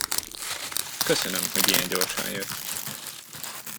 Köszönöm, hogy ilyen gyorsan jött.